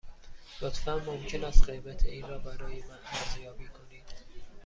لطفاً ممکن است قیمت این را برای من ارزیابی کنید؟